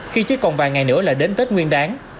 khi chỉ còn vài ngày nữa là đến tết nguyên đáng